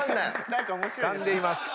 つかんでいます。